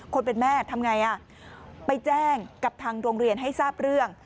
คนเป็นแม่ทำไงไปแจ้งกับทางโรงเรียนให้ทราบเรื่อง